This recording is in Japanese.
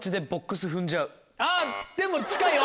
あぁでも近いよ